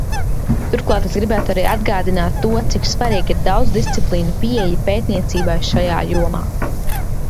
Turklāt es gribētu arī atgādināt to, cik svarīga ir daudzdisciplīnu pieeja pētniecībai šajā jomā.